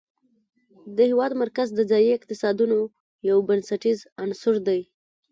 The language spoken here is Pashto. د هېواد مرکز د ځایي اقتصادونو یو بنسټیز عنصر دی.